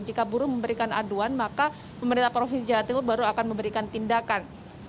jika buruh memberikan aduan maka pemerintah provinsi jawa timur baru akan memberikan tindakan